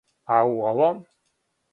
А у овом?